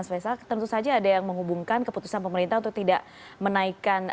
semua bbm ini harus naik